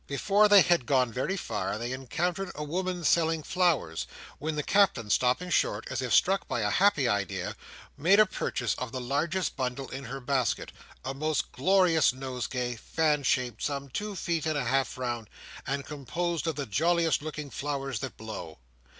Before they had gone very far, they encountered a woman selling flowers; when the Captain stopping short, as if struck by a happy idea, made a purchase of the largest bundle in her basket: a most glorious nosegay, fan shaped, some two feet and a half round, and composed of all the jolliest looking flowers that blow.